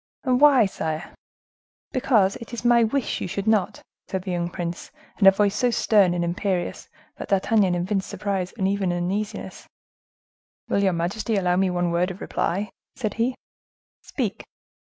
"And why, sire?" "Because it is my wish you should not!" said the young prince, in a voice so stern and imperious that D'Artagnan evinced surprise and even uneasiness. "Will your majesty allow me one word of reply?" said he. "Speak."